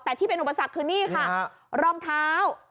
แต่ที่เป็นอุปสรรคคือนี่ค่ะรองเท้า